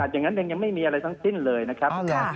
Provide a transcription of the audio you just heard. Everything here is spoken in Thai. อย่างนั้นยังไม่มีอะไรทั้งสิ้นเลยนะครับ